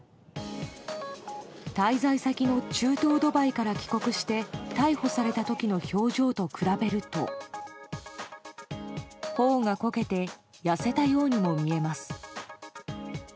滞在先の中東ドバイから帰国して逮捕された時の表情と比べると頬がこけて痩せたようにも見えます。